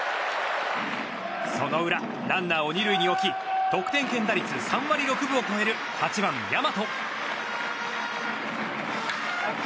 その裏、ランナーを２塁に置き得点圏打率３割６分を超える８番、大和。